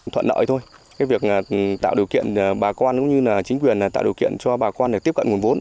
thuận nợi thôi cái việc tạo điều kiện bà con cũng như là chính quyền tạo điều kiện cho bà con để tiếp cận nguồn vốn